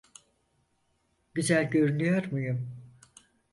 Güzel görünüyor muyum?